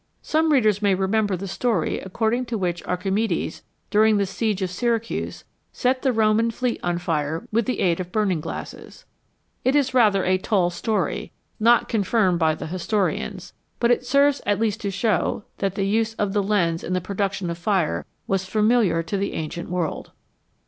Some readers may remember the story according to which Archimedes, during the siege of Syracuse, set the Roman fleet on fire with the aid of burning glasses. It is rather a "tall" story, not con firmed by the historians, but it serves at least to show that the use of the lens 'in the production of fire was familiar to the ancient world.